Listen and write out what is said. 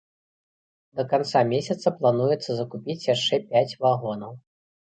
Да канца месяца плануецца закупіць яшчэ пяць вагонаў.